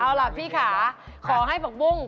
เอาละพี่คะขอให้ปากปุ้ง